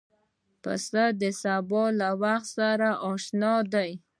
پسه د سبا له وخت سره اشنا دی.